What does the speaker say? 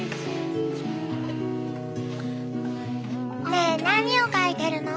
ねえ何を描いてるの？